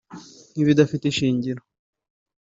nk'ibidafite ishingiro